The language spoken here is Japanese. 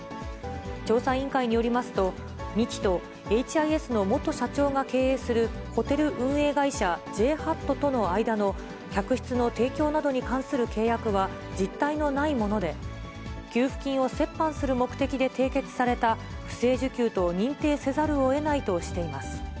調査委員会によりますと、ミキとＨＩＳの元社長が経営するホテル運営会社、ＪＨＡＴとの間の客室の提供などに関する契約は、実体のないもので、給付金を折半する目的で締結された、不正受給と認定せざるをえないとしています。